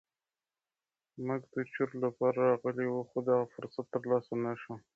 موږ د چور لپاره راغلي وو خو دغه فرصت تر لاسه نه شو.